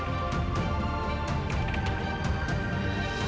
dan menghilangkan luas di mana mana